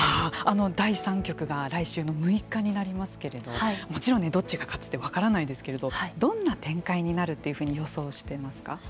第三局が来週の６日になりますけれどもちろんどっちが勝つって分からないですけれどどんな展開になるというふうに予想していますか。